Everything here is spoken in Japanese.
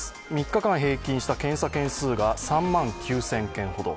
３日間平均した検査件数が３万９０００件ほど。